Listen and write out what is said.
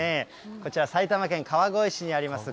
こちら、埼玉県川越市にあります